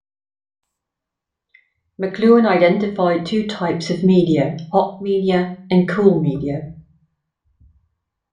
McLuhan identified two types of media: "hot" media and "cool" media.